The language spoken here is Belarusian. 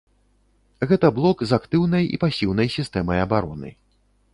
Гэта блок з актыўнай і пасіўнай сістэмай абароны.